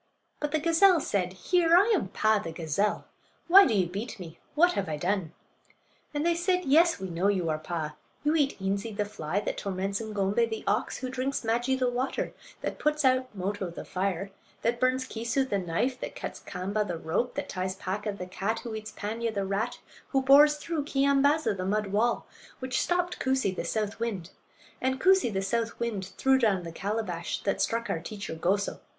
But the gazelle said: "Here! I am Paa, the gazelle. Why do you beat me? What have I done?" And they said: "Yes, we know you are Paa; you eat Eenzee, the fly; that torments Ng'ombay, the ox; who drinks Maajee, the water; that puts out Moto, the fire; that burns Keesoo, the knife; that cuts Kaamba, the rope; that ties Paaka, the cat; who eats Paanya, the rat; who bores through Keeyambaaza, the mud wall; which stopped Koosee, the south wind; and Koosee, the south wind, threw down the calabash that struck our teacher Goso.